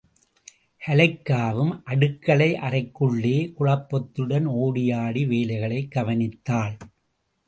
கலெய்க்காவும், அடுக்களை அறைக்குள்ளே, குழப்பத்துடன் ஒடியாடி வேலைகளைக் கவனித்தாள்.